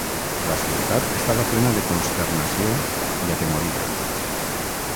La ciutat estava plena de consternació i atemorida.